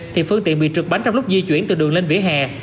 thì phương tiện bị trực bánh trong lúc di chuyển từ đường lên vỉa hè